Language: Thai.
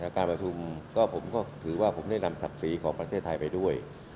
การประชุมก็ผมก็ถือว่าผมได้นำศักดิ์ศรีของประเทศไทยไปด้วย